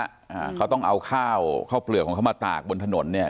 อ่าเขาต้องเอาข้าวข้าวเปลือกของเขามาตากบนถนนเนี้ย